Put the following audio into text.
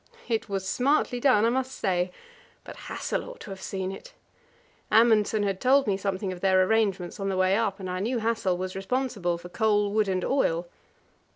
It was smartly done, I must say but Hassel ought to have seen it! Amundsen had told me something of their arrangements on the way up, and I knew Hassel was responsible for coal, wood, and oil.